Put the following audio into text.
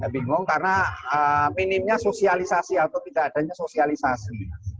bingung karena minimnya sosialisasi atau tidak adanya sosialisasi